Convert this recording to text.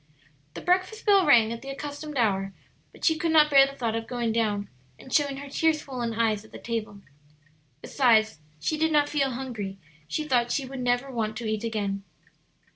The breakfast bell rang at the accustomed hour, but she could not bear the thought of going down and showing her tear swollen eyes at the table. Besides, she did not feel hungry; she thought she would never want to eat again.